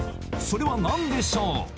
それは何でしょう？